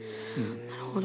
なるほど。